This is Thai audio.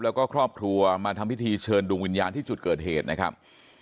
แล้วก็ครอบครัวมาทำพิธีเชิญดวงวิญญาณที่จุดเกิดเหตุนะครับ